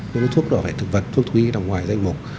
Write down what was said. những thuốc bảo vệ thực vật thuốc thù y đồng ngoài danh mục